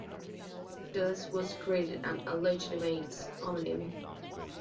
Thus was created an illegitimate homonym.